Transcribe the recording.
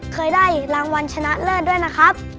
เคยได้รางวัลชนะเลิศด้วยนะครับ